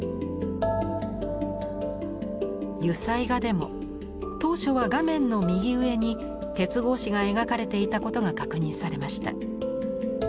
油彩画でも当初は画面の右上に鉄格子が描かれていたことが確認されました。